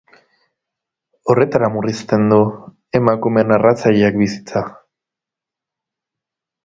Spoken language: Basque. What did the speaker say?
Horretara murrizten du emakume narratzaileak bizitza.